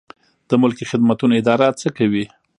د ملکي خدمتونو اداره څه کوي؟